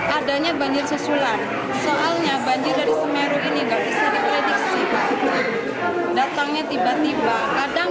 adanya banjir susulan soalnya banjir dari semeru ini nggak bisa diprediksi pak datangnya tiba tiba kadang